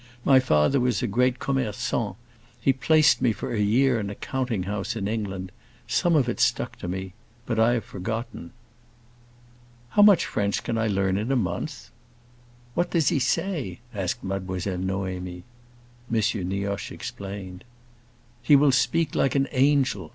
My father was a great commerçant; he placed me for a year in a counting house in England. Some of it stuck to me; but much I have forgotten!" "How much French can I learn in a month?" "What does he say?" asked Mademoiselle Noémie. M. Nioche explained. "He will speak like an angel!"